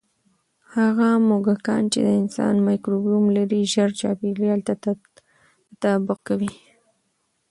هغه موږکان چې د انسان مایکروبیوم لري، ژر چاپېریال ته تطابق کوي.